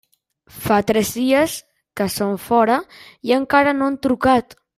Fa tres dies que són fora i encara no han trucat.